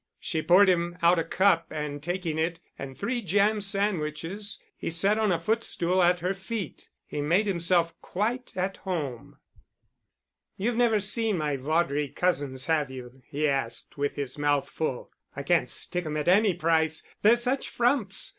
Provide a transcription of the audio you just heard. She poured him out a cup, and taking it and three jam sandwiches, he sat on a footstool at her feet. He made himself quite at home. "You've never seen my Vaudrey cousins, have you?" he asked, with his mouth full. "I can't stick 'em at any price, they're such frumps.